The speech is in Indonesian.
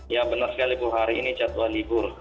ya benar sekali bu hari ini jadwal libur